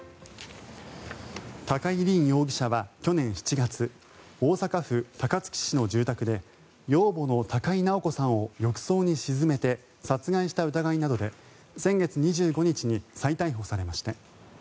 高井凜容疑者は去年７月大阪府高槻市の住宅で養母の高井直子さんを浴槽に沈めて殺害した疑いなどで先月２５日に再逮捕されました。